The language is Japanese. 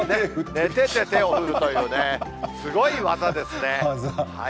寝てて手を振るというすごい技ですね。